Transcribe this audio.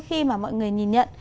khi mà mọi người nhìn nhận